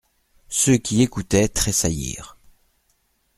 Ceux qui écoutaient tressaillirent.